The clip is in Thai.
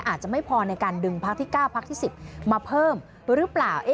อาจจะไม่พอในการดึงพักที่๙พักที่๑๐มาเพิ่มหรือเปล่า